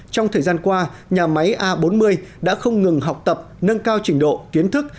trong thời gian qua nhà máy a bốn mươi đã không ngừng học tập nâng cao trình độ kiến thức